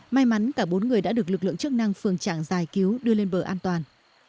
may mắn cả bốn người đã được lực lượng chức năng phường trạng giải cứu đưa lên bờ an toàn